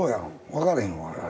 分からへん我々。